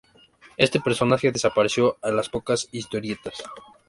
Este personaje desapareció a las pocas historietas.